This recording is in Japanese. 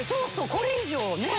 これ以上ね。